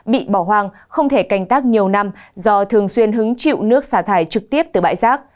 bị bỏ hoang không thể canh tác nhiều năm do thường xuyên hứng chịu nước xả thải trực tiếp từ bãi rác